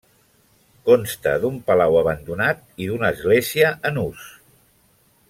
Consta d'un palau abandonat i d'una església en ús.